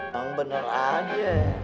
bang bener aja